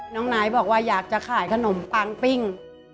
น้องนายบอกว่าอยากจะขายขนมปังปิ้ง